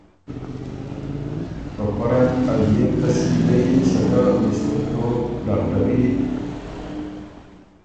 په پۀ رنګ ا بيې کسبي ګۀ یِن سکه مِستری توب، ډاکټري،